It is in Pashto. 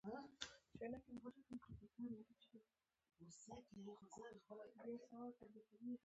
او د شپې لخوا خوب کوي.